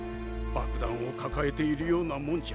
爆弾を抱えているようなもんじゃ。